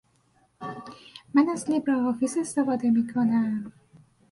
من از لیبره آفیس استفاده میکنم